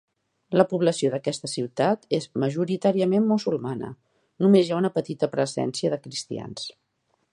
La població d'aquesta ciutat és majoritàriament musulmana, només hi ha una petita presència de cristians.